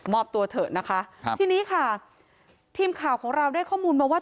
อบตัวเถอะนะคะครับทีนี้ค่ะทีมข่าวของเราได้ข้อมูลมาว่า